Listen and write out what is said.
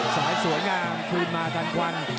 สวยงามคืนมาทันควัน